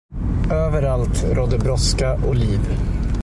Överallt rådde brådska och liv.